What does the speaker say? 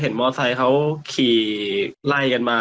เห็นมอเตอร์ไซค์เขาขี่ไล่กันมา